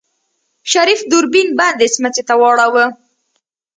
شريف دوربين بندې سمڅې ته واړوه.